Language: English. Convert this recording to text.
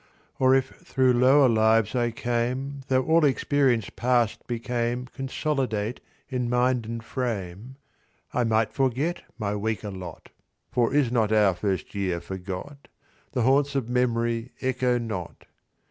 "Or if thro' lower lives I came— Tho' all experience past became Consolidate in mind and frame— "I might forget my weaker lot; For is not our first year forgot? The haunts of memory echo not.